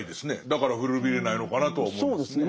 だから古びれないのかなとは思いますね。